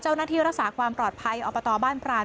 เจ้าหน้าที่รักษาความปลอดภัยอบตบ้านพราน